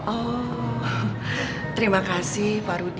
oh terima kasih pak rudi